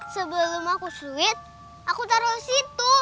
sebelum aku sulit aku taruh di situ